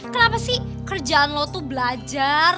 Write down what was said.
kenapa sih kerjaan lo tuh belajar